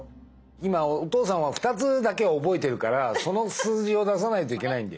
今お父さんは２つだけを覚えてるからその数字を出さないといけないんだよ。